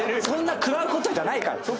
そんな食らうことじゃないから！